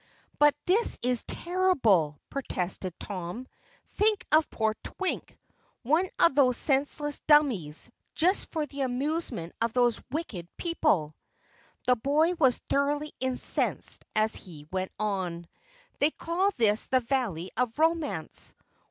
"But this is terrible!" protested Tom. "Think of poor Twink one of those senseless dummies, just for the amusement of these wicked people." The boy was thoroughly incensed as he went on. "They call this the Valley of Romance!